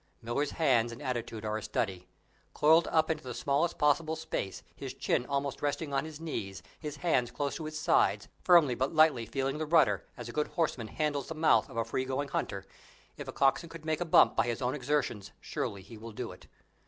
Miller's face and attitude are a study. Coiled up into the smallest possible space, his chin almost resting on his knees, his hands close to his sides, firmly but lightly feeling the rudder, as a good horseman handles the mouth of a free going hunter; if a coxswain could make a bump by his own exertions, surely he will do it.